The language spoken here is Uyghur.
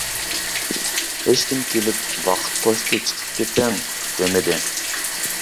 ھېچكىم كېلىپ «ۋاقىت توشتى، چىقىپ كېتىڭ» دېمىدى.